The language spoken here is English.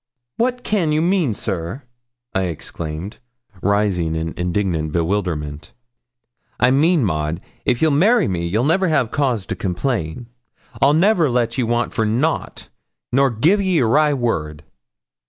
'What can you mean, sir?' I exclaimed, rising in indignant bewilderment. 'I mean, Maud, if ye'll marry me, you'll never ha' cause to complain; I'll never let ye want for nout, nor gi'e ye a wry word.'